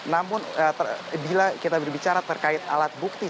namun bila kita berbicara terkait alat bukti